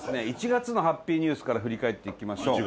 １月のハッピーニュースから振り返っていきましょう。